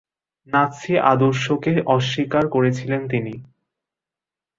Nazi আদর্শকে অস্বীকার করেছিলেন তিনি।